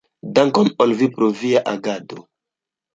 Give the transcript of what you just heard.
Dankon al vi pro via agado!